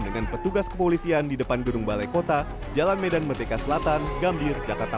dengan petugas kepolisian di depan gedung balai kota jalan medan merdeka selatan gambir jakarta